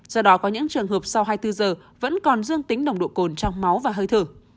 do đó có những trường hợp sau hai mươi bốn giờ vẫn còn dương tính nồng độ cồn trong máu và hơi thở